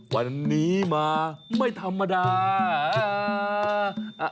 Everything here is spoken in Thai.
วันนี้มาไม่ธรรมดา